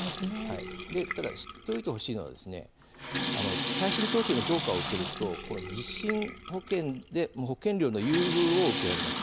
ただ知っておいてほしいのは耐震等級の評価を受けると地震保険の保険料の優遇を受けられます。